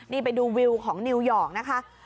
นี่ไปดูวิวของนิวยอร์กนะคะ